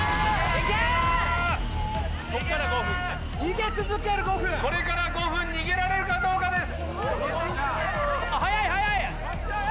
ここから５分ね・逃げ続ける５分これから５分逃げられるかどうかです